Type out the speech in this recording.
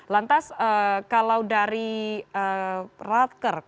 lantas kalau dari radkr